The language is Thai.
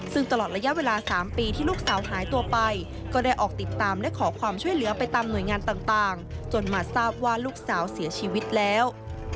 ซึ่งตลอดระยะเวลา๓ปีที่ลูกสาวหายตัวไปก็ได้ออกติดตามและขอความช่วยเหลือไปตามหน่วยงานต่างจนมาทราบว่าลูกสาวเสียชีวิตแล้ว